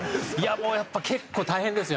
もうやっぱ結構大変ですよ